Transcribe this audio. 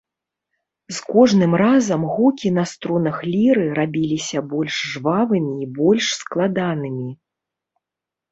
З кожным разам гукі на струнах ліры рабіліся больш жвавымі і больш складанымі.